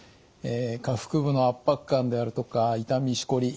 下腹部の圧迫感であるとか痛みしこり